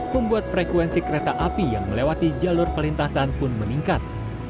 membuat frekuensi kereta api yang melewati jalur perlintasan pun meningkat